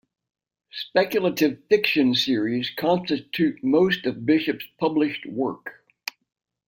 Speculative fiction series constitute most of Bishop's published work.